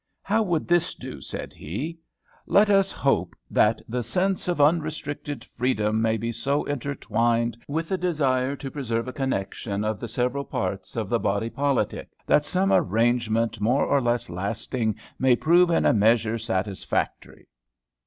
"How would this do?" said he. "'Let us hope that the sense of unrestricted freedom may be so intertwined with the desire to preserve a connection of the several parts of the body politic, that some arrangement, more or less lasting, may prove in a measure satisfactory.'